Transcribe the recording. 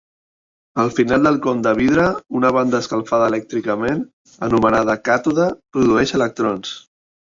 Al final del con de vidre, una banda escalfada elèctricament, anomenada càtode, produeix electrons.